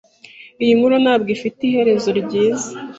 Iyi nkuru ntabwo ifite iherezo ryiza.